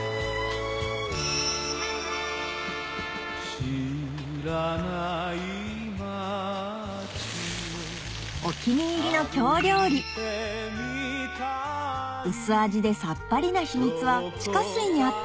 知らない街をお気に入りの京料理薄味でさっぱりな秘密は地下水にあった？